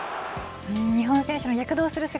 日本選手の躍動する姿